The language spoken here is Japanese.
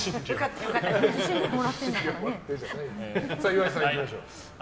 岩井さん、いきましょう。